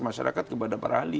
masyarakat kepada para ahli